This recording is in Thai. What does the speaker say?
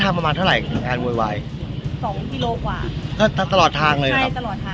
เขาบอกว่าถ้าหนูไม่หยุดพูดเขาจะด่ายให้เยอะคนอย่างเงี้ยค่ะ